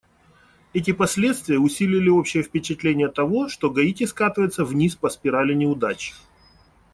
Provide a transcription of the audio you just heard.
Эти последствия усилили общее впечатление того, что Гаити скатывается вниз по спирали неудач.